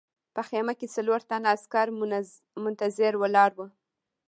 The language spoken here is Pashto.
په خیمه کې څلور تنه عسکر منتظر ولاړ وو